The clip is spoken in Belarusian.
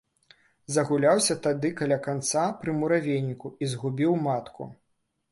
Загуляўся тады каля канца пры муравейніку і згубіў матку.